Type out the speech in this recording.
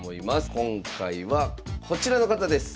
今回はこちらの方です。